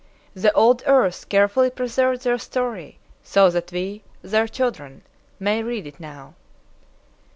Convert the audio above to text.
The old Earth carefully preserved their story, so that we, their children, may read it now.